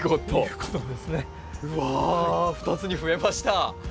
うわ２つにふえました！